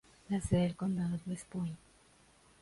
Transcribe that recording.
La sede del condado es West Point.